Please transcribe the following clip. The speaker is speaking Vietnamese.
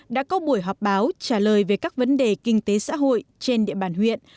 đã có buổi họp báo trả lời về các vấn đề kinh tế xã hội trên địa bàn huyện